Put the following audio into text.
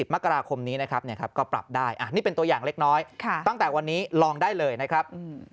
มกราคมนี้นะครับก็ปรับได้นี่เป็นตัวอย่างเล็กน้อยตั้งแต่วันนี้ลองได้เลยนะครับ